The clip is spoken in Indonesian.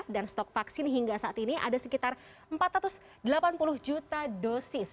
dan stok vaksin hingga saat ini ada sekitar empat ratus delapan puluh juta dosis